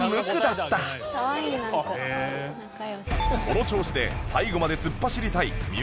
この調子で最後まで突っ走りたい